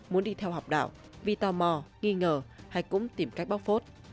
muốn đi theo học đạo vì tò mò nghi ngờ hay cũng tìm cách bóc phốt